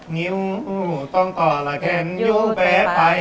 งิ้วต้องต่อละแค่นยูแป๊บปาย